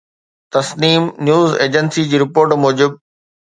Tasneem news agency جي report موجب